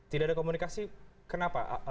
tidak ada komunikasi kenapa